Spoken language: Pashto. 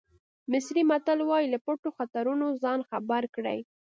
مصري متل وایي له پټو خطرونو ځان خبر کړئ.